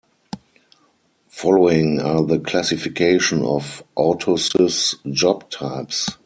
Following are the classification of autosys job types.